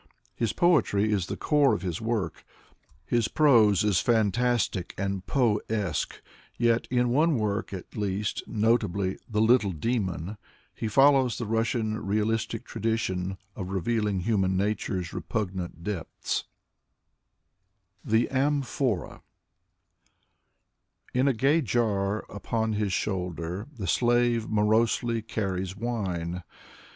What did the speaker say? His poetry is the core of his work. His prose is fantastic and Poe esque, yet in one work at least, notably The Little Demon," he follows the Russian realistic tradition of revealing human nature's repugnant depths. 61 62 Fyodor Sologub THE AMPHORA In a gay jar upon his shoulder The slave morosely carries wine.